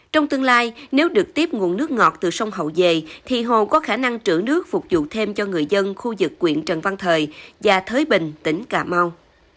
trong tương lai nếu được tiếp nguồn nước ngọt từ sông hậu về thì hồ có khả năng trữ nước phục vụ thêm cho người dân khu vực quyện trần văn thời và thới bình tỉnh cà mau